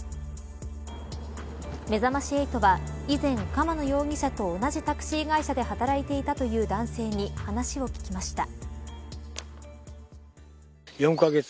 めざまし８は以前釜野容疑者と同じタクシー会社で働いていたという男性に話を聞きました。